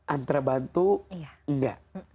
antara bantu nggak